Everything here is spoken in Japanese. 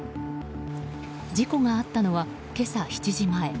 事故があったのは今朝７時前。